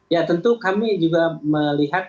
ya tentu kami juga melihat